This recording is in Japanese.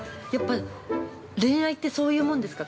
◆恋愛って、そういうもんですか。